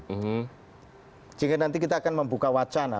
sehingga nanti kita akan membuka wacana